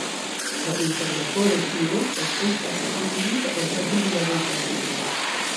La interna koro kiu restas estas kuirita por havigi la dolĉan sukon.